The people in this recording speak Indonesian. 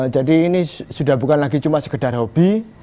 jadi ini sudah bukan lagi cuma sekedar hobi